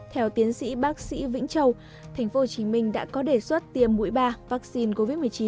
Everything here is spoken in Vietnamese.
theo tiến sĩ bác sĩ vĩnh châu tp hcm đã có đề xuất tiêm mũi ba vaccine covid một mươi chín